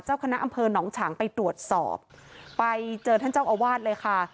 เจ้าคณะอำเภอหนองฉางไปตรวจสอบไปเจอท่านเจ้าอาวาสเลยค่ะ